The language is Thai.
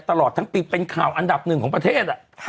ตลอดทั้งปีเป็นข่าวอันดับหนึ่งของประเทศ